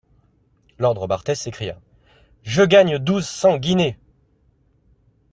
Lord Robartes s’écria: Je gagne douze cents guinées.